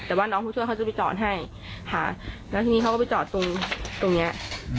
แต่ว่าน้องผู้ช่วยเขาจะไปจอดให้ค่ะแล้วทีนี้เขาก็ไปจอดตรงตรงเนี้ย